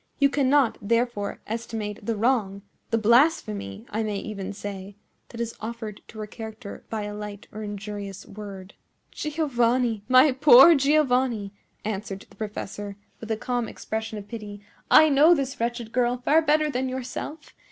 You cannot, therefore, estimate the wrong—the blasphemy, I may even say—that is offered to her character by a light or injurious word." "Giovanni! my poor Giovanni!" answered the professor, with a calm expression of pity, "I know this wretched girl far better than yourself.